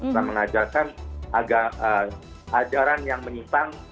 kita mengajarkan ajaran yang menyimpang